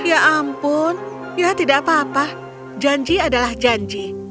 ya ampun ya tidak apa apa janji adalah janji